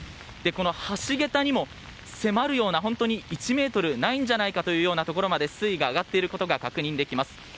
この橋桁にも迫るような１ｍないんじゃないかというようなところまで水位が上がっていることが確認できます。